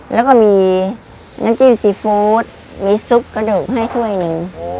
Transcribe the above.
แล้วก็มีน้ำจิ้มซีฟู้ดมีซุปกระดูกให้ถ้วยหนึ่ง